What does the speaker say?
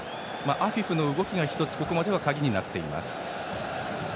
アフィフの動きが１つここまでは鍵になっています。